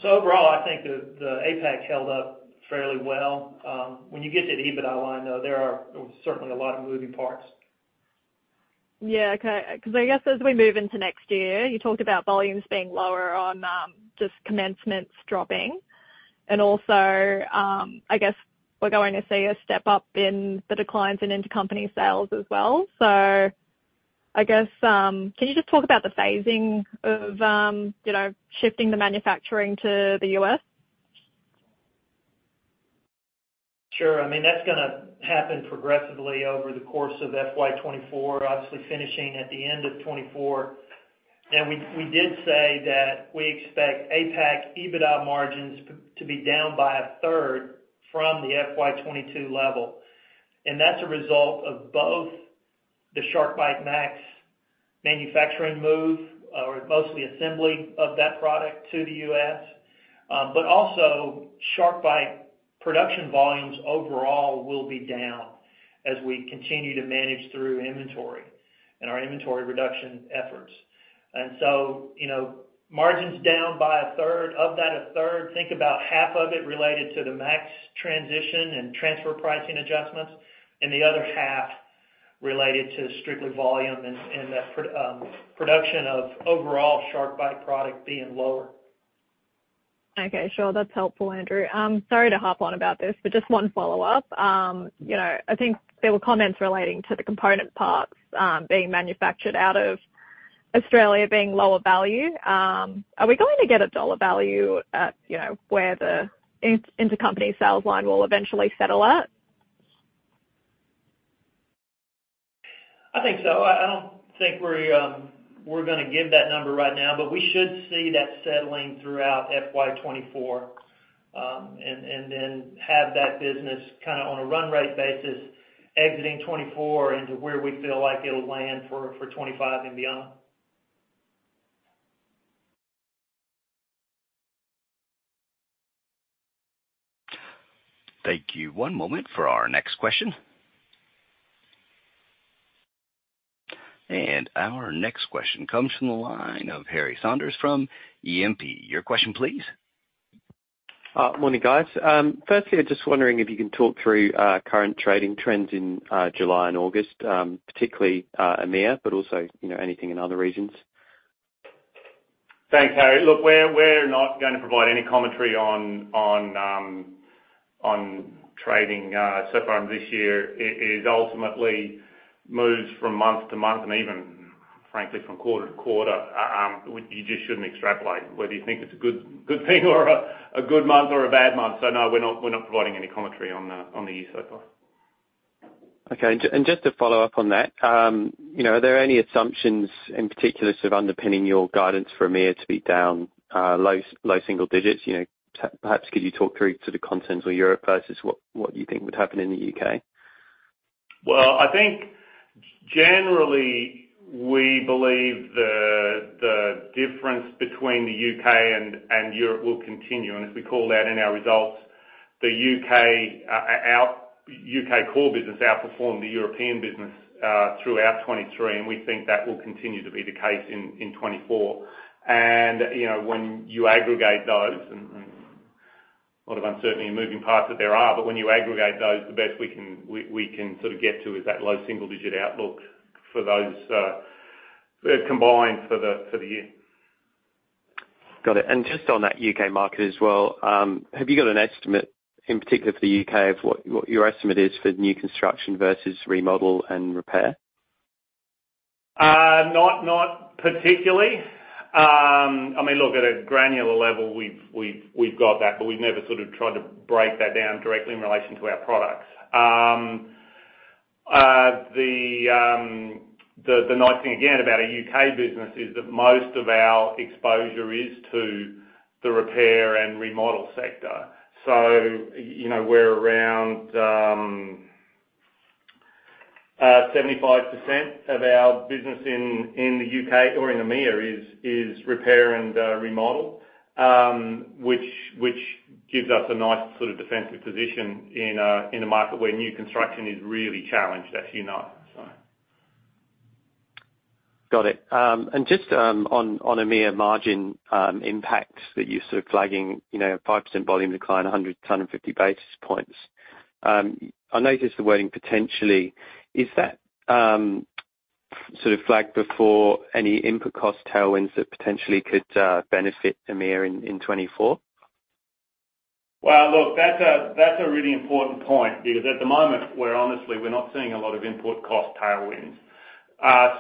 Speaker 3: Overall, I think the, the APAC held up fairly well. When you get to the EBITDA line, though, there are certainly a lot of moving parts.
Speaker 9: Yeah, okay. Because I guess as we move into next year, you talked about volumes being lower on just commencements dropping. Also, I guess we're going to see a step up in the declines in intercompany sales as well. I guess, can you just talk about the phasing of, you know, shifting the manufacturing to the U.S.?
Speaker 3: Sure. I mean, that's gonna happen progressively over the course of FY 2024, obviously finishing at the end of 2024. We, we did say that we expect APAC EBITDA margins to be down by 1/3 from the FY 2022 level. That's a result of both the SharkBite Max manufacturing move, or mostly assembly of that product to the U.S., but also SharkBite production volumes overall will be down as we continue to manage through inventory and our inventory reduction efforts. You know, margins down by 1/3. Of that 1/3, think about 1/2 of it related to the Max transition and transfer pricing adjustments, and the other 1/2 related to strictly volume and production of overall SharkBite product being lower.
Speaker 9: Okay, sure. That's helpful, Andrew. Sorry to hop on about this, but just one follow-up. You know, I think there were comments relating to the component parts, being manufactured out of Australia being lower value. Are we going to get a dollar value at, you know, where the in- intercompany sales line will eventually settle at?
Speaker 3: I think so. I, I don't think we're gonna give that number right now. We should see that settling throughout FY 2024, and then have that business kind of on a run rate basis, exiting 2024 into where we feel like it'll land for 2025 and beyond.
Speaker 1: Thank you. One moment for our next question. Our next question comes from the line of Harry Saunders from E&P. Your question, please.
Speaker 10: Morning, guys. Firstly, I'm just wondering if you can talk through current trading trends in July and August, particularly EMEA, but also, you know, anything in other regions.
Speaker 2: Thanks, Harry. Look, we're, we're not going to provide any commentary on, on, on trading so far this year. It, it ultimately moves from month to month, and even frankly, from quarter to quarter. You just shouldn't extrapolate whether you think it's a good, good thing or a, a good month or a bad month. No, we're not, we're not providing any commentary on the, on the year so far.
Speaker 10: Okay, just to follow up on that, you know, are there any assumptions in particular sort of underpinning your guidance for EMEA to be down, low, low single digits? You know, perhaps could you talk through to the continents where Europe versus what, what you think would happen in the U.K.?
Speaker 2: Well, I think generally, we believe the, the difference between the U.K. and Europe will continue. As we call out in our results, the U.K., our U.K. core business outperformed the European business throughout 2023, and we think that will continue to be the case in 2024. You know, when you aggregate those and, and a lot of uncertainty and moving parts that there are, but when you aggregate those, the best we can, we, we can sort of get to is that low single digit outlook for those, combined for the year.
Speaker 10: Got it. Just on that U.K. market as well, have you got an estimate, in particular for the U.K., of what, what your estimate is for new construction versus remodel and repair?
Speaker 2: Not, not particularly. I mean, look, at a granular level, we've, we've, we've got that, but we've never sort of tried to break that down directly in relation to our products. The nice thing again, about our U.K. business is that most of our exposure is to the repair and remodel sector. You know, we're around 75% of our business in the U.K. or in EMEA is repair and remodel, which gives us a nice sort of defensive position in a market where new construction is really challenged, as you know.
Speaker 10: Got it. Just on EMEA margin impacts that you're flagging, a 5% volume decline, 150 basis points. I noticed the wording potentially. Is that flagged before any input cost tailwinds that potentially could benefit EMEA in FY 2024?
Speaker 2: Well, look, that's a really important point because at the moment, we're honestly, we're not seeing a lot of input cost tailwinds.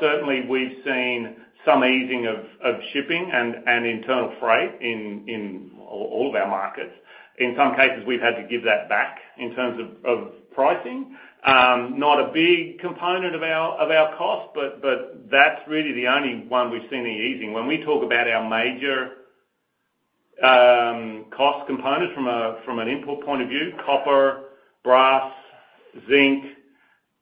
Speaker 2: Certainly, we've seen some easing of shipping and internal freight in all of our markets. In some cases, we've had to give that back in terms of pricing. Not a big component of our cost, but that's really the only one we've seen any easing. When we talk about our major cost components from an input point of view, copper, brass, zinc,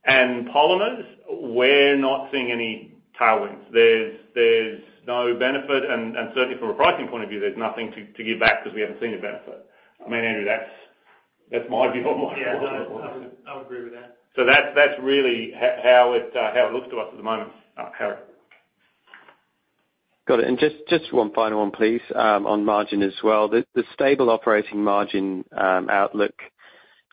Speaker 2: and polymers, we're not seeing any tailwinds. There's no benefit, and certainly from a pricing point of view, there's nothing to give back because we haven't seen a benefit. I mean, Andrew, that's my view on it.
Speaker 3: Yeah, no, I would, I would agree with that.
Speaker 2: That's, that's really how it, how it looks to us at the moment, Harry.
Speaker 10: Got it. Just, just one final one, please, on margin as well. The, the stable operating margin, outlook,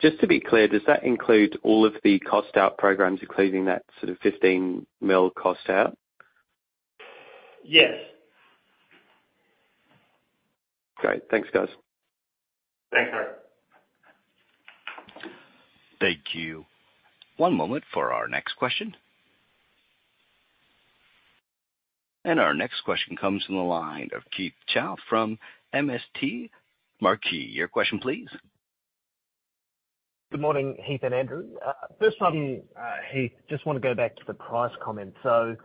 Speaker 10: just to be clear, does that include all of the cost out programs, including that sort of 15 million cost out?
Speaker 2: Yes.
Speaker 10: Great. Thanks, guys.
Speaker 2: Thanks, Harry.
Speaker 1: Thank you. One moment for our next question. Our next question comes from the line of Keith Chau from MST Marquee. Your question, please.
Speaker 11: Good morning, Heath and Andrew. First one, Heath, just want to go back to the price comment. I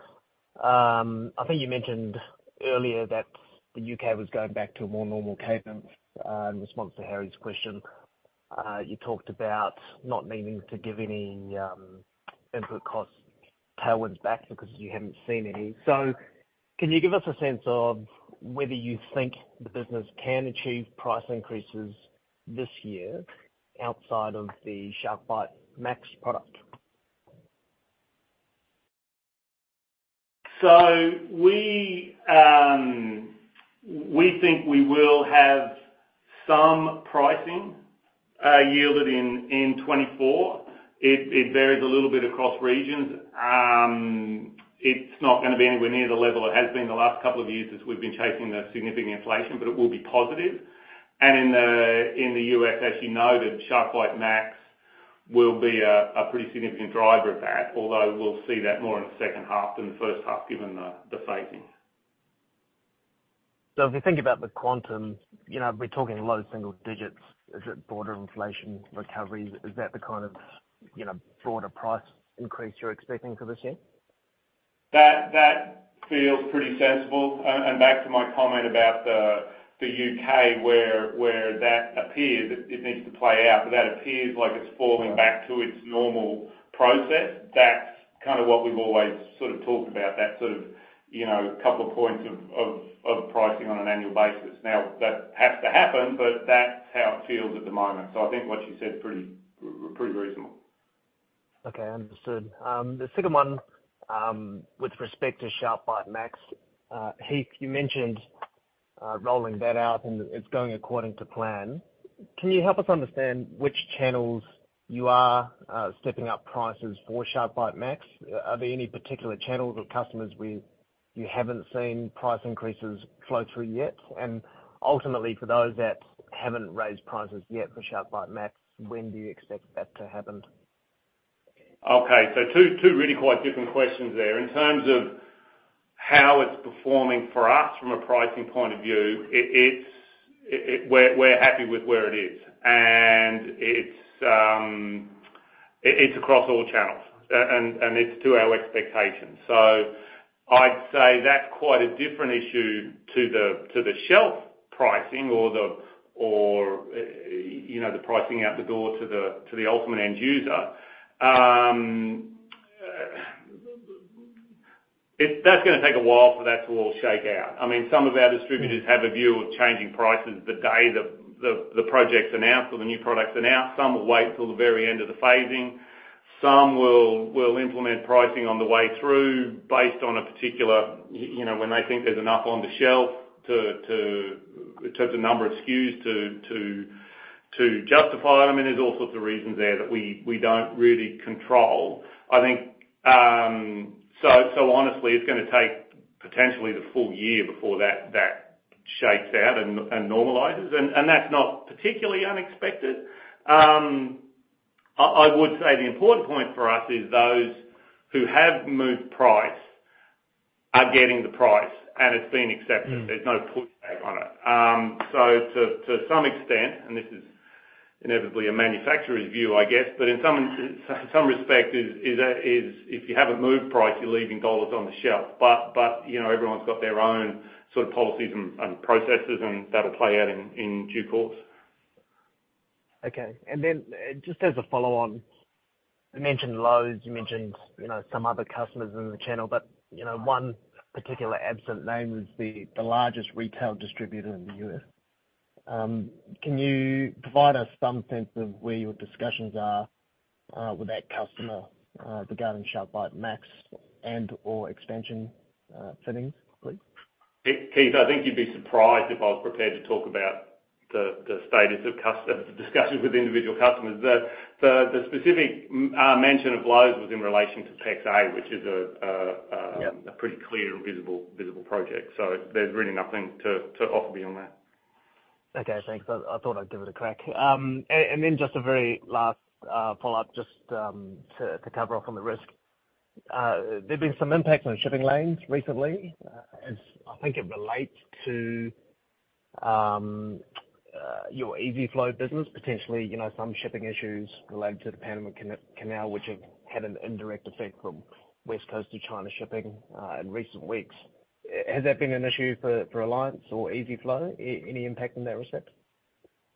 Speaker 11: think you mentioned earlier that the U.K. was going back to a more normal cadence, in response to Harry's question. You talked about not needing to give any input costs tailwinds back because you haven't seen any. Can you give us a sense of whether you think the business can achieve price increases this year outside of the SharkBite Max product?
Speaker 2: we think we will have some pricing yielded in, in 2024. It, it varies a little bit across regions. It's not gonna be anywhere near the level it has been the last couple of years, as we've been chasing the significant inflation, but it will be positive. In the, in the U.S., as you noted, SharkBite Max will be a, a pretty significant driver of that, although we'll see that more in the second half than the first half, given the, the phasing.
Speaker 11: If you think about the quantum, you know, we're talking low single digits. Is it border inflation recovery? Is that the kind of, you know, broader price increase you're expecting for this year?
Speaker 2: That, that feels pretty sensible. Back to my comment about the, the U.K., where, where that appears, it needs to play out, but that appears like it's falling back to its normal process. That's kind of what we've always sort of talked about, that sort of, you know, couple of points of, of, of pricing on an annual basis. Now, that has to happen, but that's how it feels at the moment. I think what you said is pretty, pretty reasonable.
Speaker 11: Okay, understood. The second one, with respect to SharkBite Max, Heath, you mentioned rolling that out, and it's going according to plan. Can you help us understand which channels you are stepping up prices for SharkBite Max? Are there any particular channels or customers where you haven't seen price increases flow through yet? Ultimately, for those that haven't raised prices yet for SharkBite Max, when do you expect that to happen?
Speaker 2: Okay, two, two really quite different questions there. In terms of how it's performing for us from a pricing point of view, it, it's, it, it, we're, we're happy with where it is. It's, it, it's across all channels, and, and it's to our expectations. I'd say that's quite a different issue to the, to the shelf pricing or the, or, you know, the pricing out the door to the, to the ultimate end user. That's gonna take a while for that to all shake out. I mean, some of our distributors have a view of changing prices the day the, the, the project's announced or the new products are out. Some will wait till the very end of the phasing. Some will, will implement pricing on the way through, based on a particular, you know, when they think there's enough on the shelf to, to, in terms of number of SKUs to, to, to justify them. I mean, there's all sorts of reasons there that we, we don't really control. I think, so, so honestly, it's gonna take potentially the full year before that, that shakes out and, and normalizes, and, and that's not particularly unexpected. I, I would say the important point for us is those who have moved price are getting the price, and it's been accepted. There's no pushback on it. To, to some extent, and this is inevitably a manufacturer's view, I guess, but in some, some respect is, is, is if you haven't moved price, you're leaving dollars on the shelf. But, you know, everyone's got their own sort of policies and, and processes, and that'll play out in, in due course.
Speaker 11: Okay. Then just as a follow-on, you mentioned Lowe's, you mentioned, you know, some other customers in the channel, but, you know, one particular absent name was the, the largest retail distributor in the U.S. Can you provide us some sense of where your discussions are with that customer regarding SharkBite Max and/or expansion settings, please?
Speaker 2: Keith, I think you'd be surprised if I was prepared to talk about the status of the discussions with individual customers. The specific mention of Lowe's was in relation to PEX-A, which is.
Speaker 11: Yeah...
Speaker 2: a pretty clear and visible, visible project. There's really nothing to, to offer beyond that.
Speaker 11: Okay, thanks. I thought I'd give it a crack. Then just a very last follow-up, just to cover off on the risk. There's been some impact on shipping lanes recently, as I think it relates to your EZ-FLO business, potentially, you know, some shipping issues related to the Panama Canal, which have had an indirect effect from West Coast to China shipping in recent weeks. Has that been an issue for Reliance or EZ-FLO? Any impact in that respect?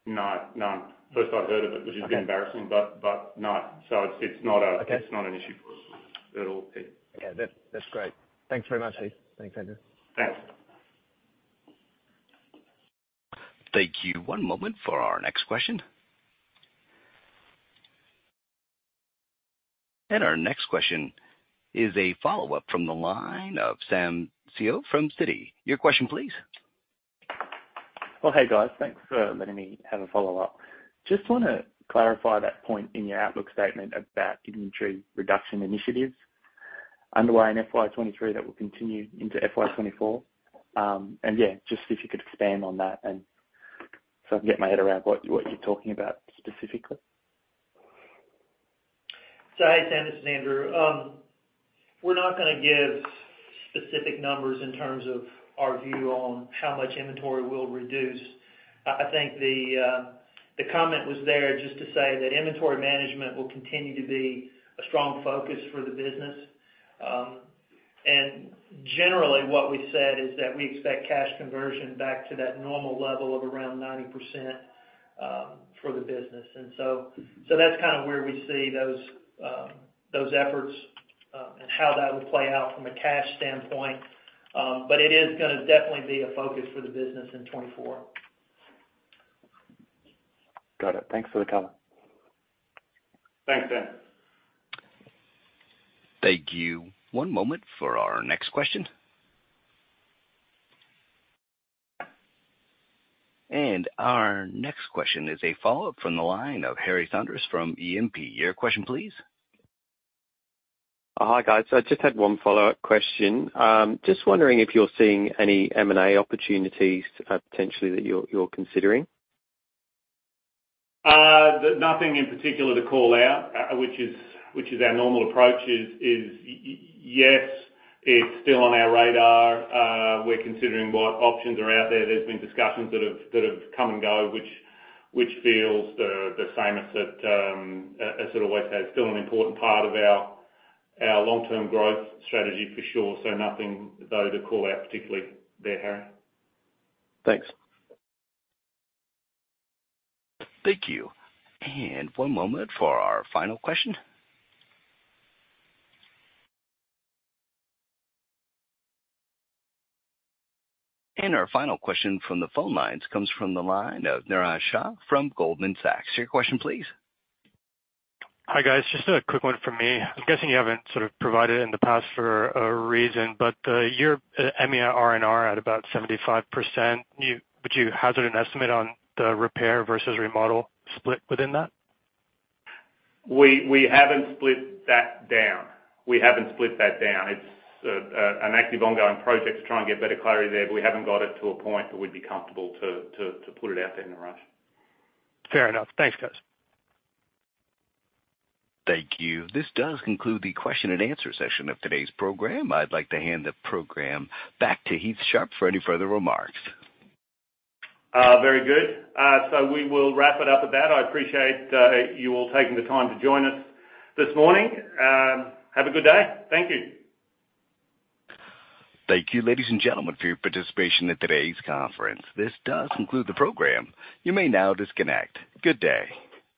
Speaker 2: No, none. First I've heard of it, which is embarrassing.
Speaker 11: Okay.
Speaker 2: But, no. It's not.
Speaker 11: Okay.
Speaker 2: It's not an issue for us at all, Keith.
Speaker 11: Okay. That, that's great. Thanks very much, Heath. Thanks, Andrew.
Speaker 2: Thanks.
Speaker 1: Thank you. One moment for our next question. Our next question is a follow-up from the line of SamSeow from Citi. Your question please.
Speaker 6: Well, hey, guys. Thanks for letting me have a follow-up. Just want to clarify that point in your outlook statement about inventory reduction initiatives underway in FY 2023 that will continue into FY 2024. Yeah, just if you could expand on that, and so I can get my head around what, what you're talking about specifically.
Speaker 3: Hi, Sam, this is Andrew. We're not gonna give specific numbers in terms of our view on how much inventory we'll reduce. I, I think the comment was there just to say that inventory management will continue to be a strong focus for the business. Generally, what we said is that we expect cash conversion back to that normal level of around 90% for the business. So that's kind of where we see those efforts, and how that will play out from a cash standpoint. It is gonna definitely be a focus for the business in 2024.
Speaker 6: Got it. Thanks for the comment.
Speaker 3: Thanks, Sam.
Speaker 1: Thank you. One moment for our next question. Our next question is a follow-up from the line of Harry Saunders from E&P. Your question, please?
Speaker 10: Hi, guys. I just had one follow-up question. Just wondering if you're seeing any M&A opportunities, potentially that you're, you're considering?
Speaker 2: Nothing in particular to call out, which is, which is our normal approach, is, yes, it's still on our radar. We're considering what options are out there. There's been discussions that have, that have come and go, which, which feels the, the same as that, as I'd always say, it's still an important part of our, our long-term growth strategy for sure. Nothing, though, to call out particularly there, Harry.
Speaker 10: Thanks.
Speaker 1: Thank you. One moment for our final question. Our final question from the phone lines comes from the line of Niraj Shah from Goldman Sachs. Your question please.
Speaker 12: Hi, guys, just a quick one from me. I'm guessing you haven't sort of provided in the past for a reason, but, your EMEA RNR at about 75%, would you hazard an estimate on the repair versus remodel split within that?
Speaker 2: We haven't split that down. We haven't split that down. It's an active ongoing project to try and get better clarity there, but we haven't got it to a point that we'd be comfortable to, to, to put it out there, Niraj.
Speaker 12: Fair enough. Thanks, guys.
Speaker 1: Thank you. This does conclude the question and answer session of today's program. I'd like to hand the program back to Heath Sharp for any further remarks.
Speaker 2: Very good. We will wrap it up at that. I appreciate you all taking the time to join us this morning. Have a good day. Thank you.
Speaker 1: Thank you, ladies and gentlemen, for your participation in today's conference. This does conclude the program. You may now disconnect. Good day!